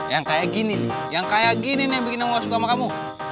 yang kayak gini yang kayak gini nih yang bikin aku suka sama kamu